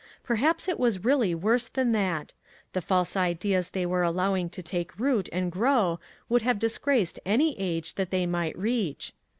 Perhaps it was really worse than that. The 323 MAG AND MARGARET false ideas they were allowing to take root and grow would have disgraced any age that they might reach.